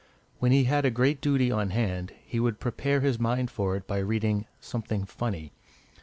When he had a great duty on hand, he would prepare his mind for it by reading "something funny."